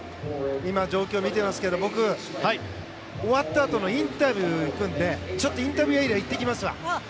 今、状況見ていますけど僕、終わったあとインタビューに行くのでちょっとインタビューエリア行ってきますわ。